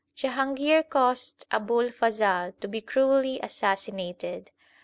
Jahangir caused Abul Fazal to be cruelly assassinated.